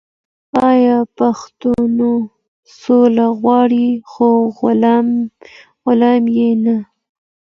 آیا پښتون سوله غواړي خو غلامي نه؟